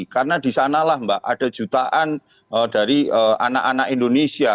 karena disanalah mbak ada jutaan dari anak anak indonesia